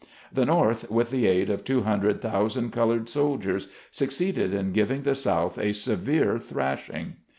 The North, with the aid of two hundred thousand colored soldiers, succeeded in giving the South a severe thrashing.